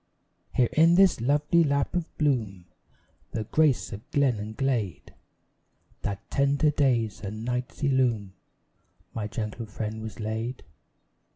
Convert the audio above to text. Here in this lovely lap of bloom, The grace of glen and glade, That tender days and nights illume, My gentle friend was laid.